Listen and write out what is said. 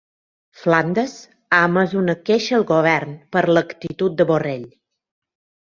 Flandes ha emès una queixa al govern per l'actitud de Borrell